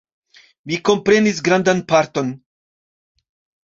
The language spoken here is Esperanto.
Mi komprenis grandan parton.